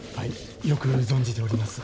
よく存じております。